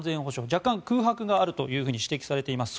若干、空白があると指摘されています。